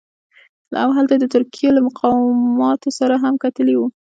او هلته یې د ترکیې له مقاماتو سره هم کتلي وو.